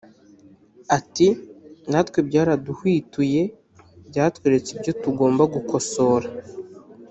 Ati “Natwe byaraduhwituye byatweretse ibyo tugomba gukosora